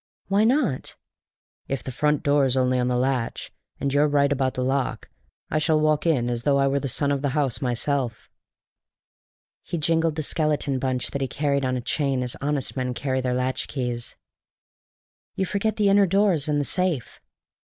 "Why not?" "If the front door's only on the latch, and you're right about the lock, I shall walk in as though I were the son of the house myself." And he jingled the skeleton bunch that he carried on a chain as honest men carry their latchkeys. "You forget the inner doors and the safe."